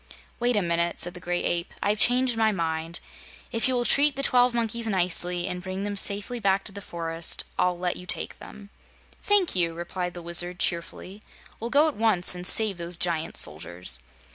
"Wait a minute," said the Gray Ape. "I've changed my mind. If you will treat the twelve monkeys nicely and bring them safely back to the forest, I'll let you take them." "Thank you," replied the Wizard, cheerfully. "We'll go at once and save those giant soldiers."